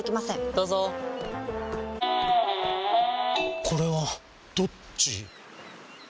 どうぞこれはどっち？